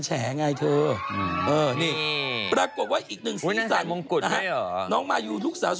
กระเทยเก่งกว่าเออแสดงความเป็นเจ้าข้าว